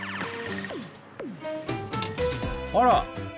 あら！